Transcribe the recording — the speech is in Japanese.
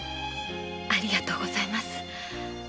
ありがとうございます。